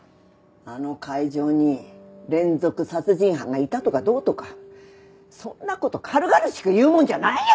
あの会場に連続殺人犯がいたとかどうとかそんな事軽々しく言うもんじゃないよ！